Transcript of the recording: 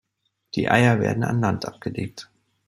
Die Eier werden an Land abgelegt.